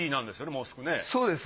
もうすぐね。